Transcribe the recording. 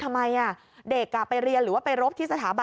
เพื่อเหตุผลอะไรก็แล้วแต่๒๙๑